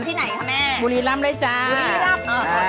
ที่ไหนคะแม่บุรีรำเลยจ้าบุรีรำ